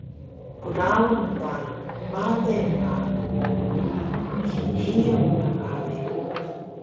Klaun ta bale ma snhiyun ta bale